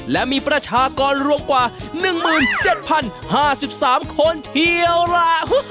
และมีประชากรรวมกว่า๑๗๐๕๓คนเชียวล่ะ